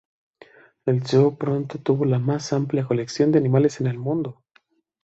El Zoo pronto tuvo la más amplia colección de animales en el mundo.